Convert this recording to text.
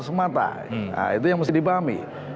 semata nah itu yang mesti dipahami